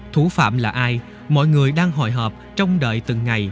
thủ phạm là ai mọi người đang hồi hộp trong đợi từng ngày